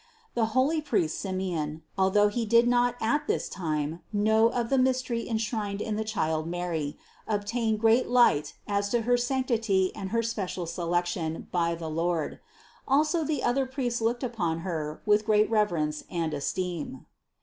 The holy priest Simeon, although he did not at this time know of the mystery enshrined in the child Mary, obtained great light as to her sanctity and her special selection by the Lord; also the other priests looked upon Her with great reverence and esteem.